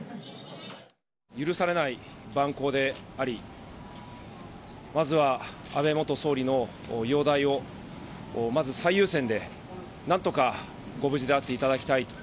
許されない蛮行でありまずは安倍元総理の容体をまず最優先で何とかご無事であっていただきたい。